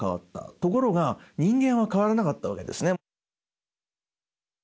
ところが人間は変わらなかったわけですね。